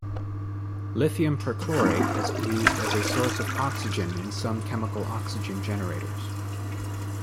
Lithium perchlorate is used as a source of oxygen in some chemical oxygen generators.